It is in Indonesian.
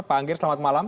pak anggir selamat malam